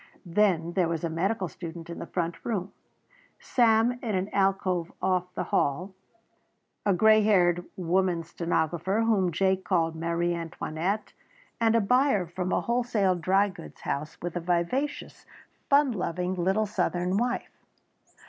Then there was a medical student in the front room, Sam in an alcove off the hall, a grey haired woman stenographer, whom Jake called Marie Antoinette, and a buyer from a wholesale dry goods house, with a vivacious, fun loving little Southern wife.